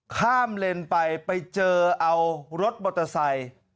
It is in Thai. ข้ามเลนไปไปเจอเอารถมอเตอร์ไซค์